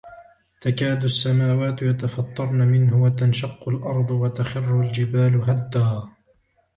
تكاد السماوات يتفطرن منه وتنشق الأرض وتخر الجبال هدا